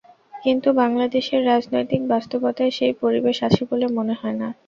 কিন্তু বাংলাদেশের রাজনৈতিক বাস্তবতায় সেই পরিবেশ আছে বলে মনে হয় না।